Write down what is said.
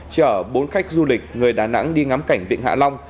chở bốn khách du lịch người đà nẵng đi ngắm cảnh vịnh hạ long